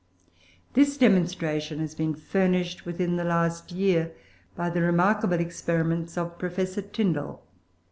This demonstration has been furnished within the last year by the remarkable experiments of Professor Tyndall.